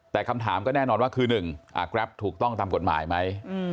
แต่คำถามก็แน่นอนว่าคือ๑แกรปถูกต้องตามกฎหมายไหม